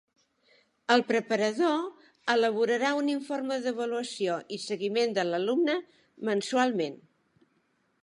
El preparador elaborarà un informe d'avaluació i seguiment de l'alumne mensualment.